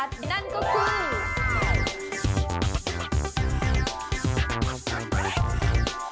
นั่นก็คือ